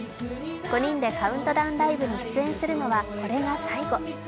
５人でカウントダウンライブに出演するのはこれが最後。